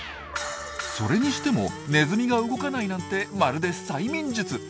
それにしてもネズミが動かないなんてまるで催眠術。